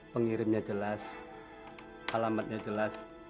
pengirimnya jelas alamatnya jelas